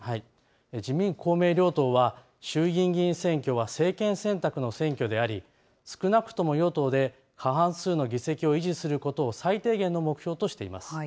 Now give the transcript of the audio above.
自民、公明両党は、衆議院議員選挙は政権選択の選挙であり、少なくとも与党で過半数の議席を維持することを最低限の目標としています。